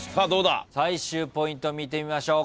最終ポイント見てみましょう。